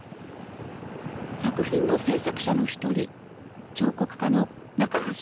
作品の制作者の１人彫刻家の中ハシ